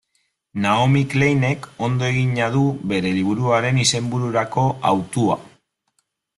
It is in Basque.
Naomi Kleinek ondo egina du bere liburuaren izenbururako hautua.